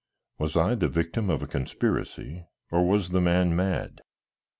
Was I the victim of a conspiracy, or was the man mad?